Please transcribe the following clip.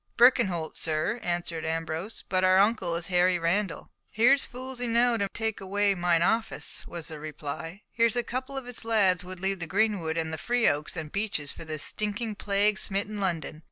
"Birkenholt, sir," answered Ambrose, "but our uncle is Harry Randall." "Here's fools enow to take away mine office," was the reply. "Here's a couple of lads would leave the greenwood and the free oaks and beeches, for this stinking, plague smitten London."